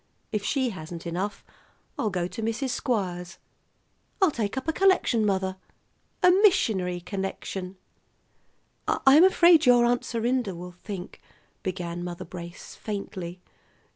If she hasn't enough, I'll go to Mrs. Squires. I'll take up a collection, mother, a missionary collection." "I'm afraid your Aunt Serinda will think " began Mother Brace faintly.